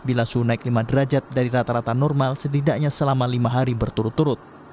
bila suhu naik lima derajat dari rata rata normal setidaknya selama lima hari berturut turut